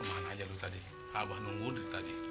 kemana aja lu tadi abang nunggu dia tadi